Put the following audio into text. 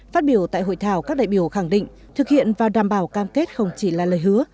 phát biểu tại hội thảo các đại biểu khẳng định thực hiện và đảm bảo cam kết không chỉ là lời hứa